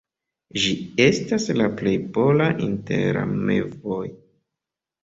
Ĝi estas la plej pola inter la mevoj.